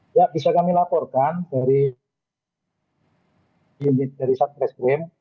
ya bisa kami laporkan dari saat kris krim